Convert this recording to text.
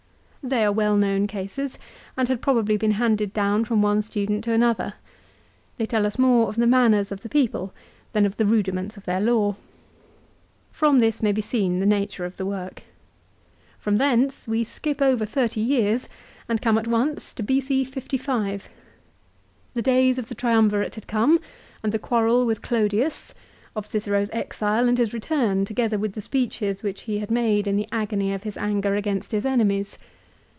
They are well known cases, and had probably been handed down from one student to another. They tell us more of the manners of the people than of the rudiments of their law. From this may be seen the nature of the work. From thence we skip over thirty years and come at once, to B.C. 55. 1 De Inventioue, lib. ii. 4. CICERO'S RHETORIC. 309 The days of the Triumvirate had come, aiid the quarrel with Clodius ; of Cicero's exile and his return, together with the speeches which he had made in the agony of his anger against his enemies.